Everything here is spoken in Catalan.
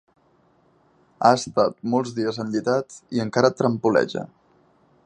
Ha estat molts dies enllitat i encara trampoleja.